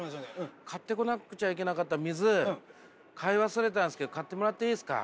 買ってこなくちゃいけなかった水買い忘れたんですけど買ってもらっていいですか？